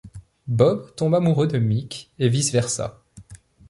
Bob tombe amoureux de Mic et vice-versa.